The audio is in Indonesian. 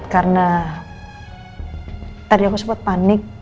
karena tadi aku sempat panik